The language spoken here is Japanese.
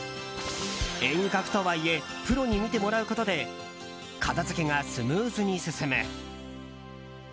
遠隔とはいえプロに見てもらうことで片付けがスムーズに進む。